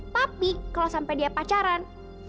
tapi kalo sampe dia pacaran